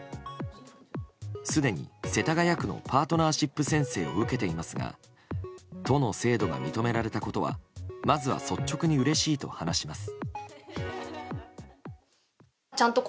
すでに世田谷区のパートナーシップ宣誓を受けていますが都の制度が認められたことはまずは率直にうれしいと話します。